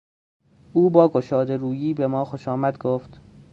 او با گشادهرویی به ما خوشامد گفت.